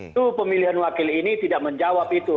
itu pemilihan wakil ini tidak menjawab itu